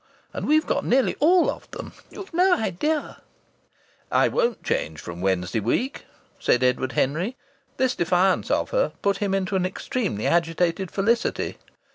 And we've got nearly all of them. You've no idea " "I won't change from Wednesday week," said Edward Henry. This defiance of her put him into an extremely agitated felicity.